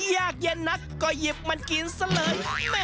ยากเย็นนักก็หยิบมันกินซะเลย